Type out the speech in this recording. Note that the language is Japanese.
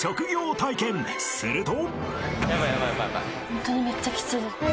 ［すると］